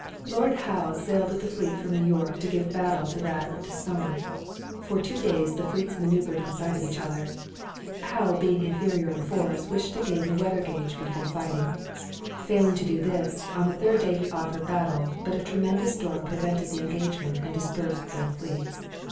Lord Howe sailed with the fleet from New York to give battle to that of D'Estaing. For two days the fleets maneuvered in sight of each other. Howe, being inferior in force, wished to gain the weather gauge before fighting. Failing to do this, on the third day he offered battle, but a tremendous storm prevented the engagement and dispersed both fleets.